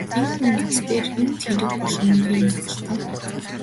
Энэ хүн над дээр юунд хэрэг болгон ирээ юм бол оо!